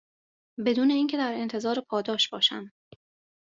بدون اینکه در انتظار پاداش باشم